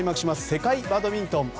世界バドミントン。